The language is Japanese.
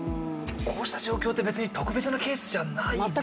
こうした状況って別に特別なケースじゃないですよね。